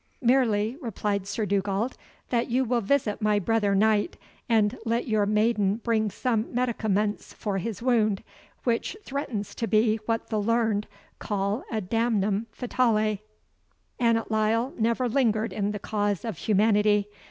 "Merely," replied Sir Dugald, "that you will visit my brother knight, and let your maiden bring some medicaments for his wound, which threatens to be what the learned call a DAMNUM FATALE." Annot Lyle never lingered in the cause of humanity.